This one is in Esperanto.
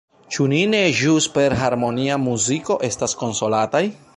Ĉu ni ne ĵus per harmonia muziko estas konsolataj?